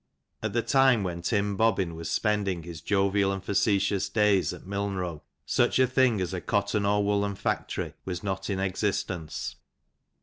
At the time when Tim Bobbin was spending his jovial and fecetious daysatMilnrow, such a thing as a cotton or woollen factory was not in existence.